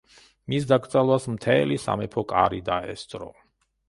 მის დაკრძალვას მთელი სამეფო კარი დაესწრო.